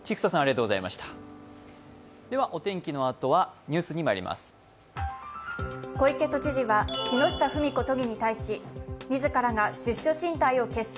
お天気の後はニュースにまいります。